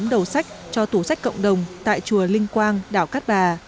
bảy trăm sáu mươi tám đầu sách cho tủ sách cộng đồng tại chùa linh quang đảo cát bà